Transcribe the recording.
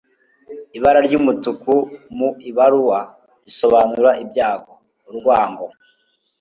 ibara ry'umutuku mu ibaruwa risobanura ibyago, urwango